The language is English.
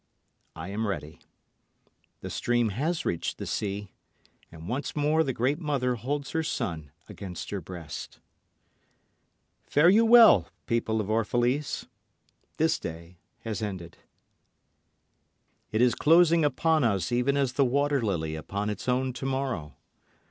I am ready. The stream has reached the sea, and once more the great mother holds her son against her breast. Fare you well, people of Orphalese. This day has ended. It is closing upon us even as the water lily upon its own tomorrow.